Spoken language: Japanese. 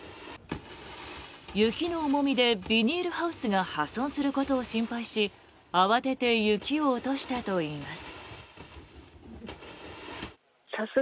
雪の重みでビニールハウスが破損することを心配し慌てて雪を落としたといいます。